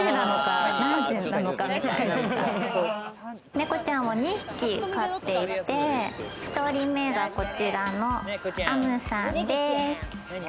猫ちゃんを２匹飼っていて、１人目がこちらのアムさんです。